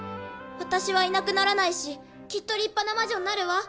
私はいなくならないしきっと立派な魔女になるわ！